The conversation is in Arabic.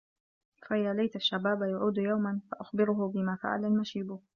فيا ليت الشباب يعود يوما فأخبره بما فعل المشيب